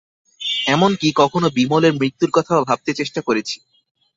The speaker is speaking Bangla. এমন-কি, কখনো বিমলের মৃত্যুর কথাও ভাবতে চেষ্টা করেছি।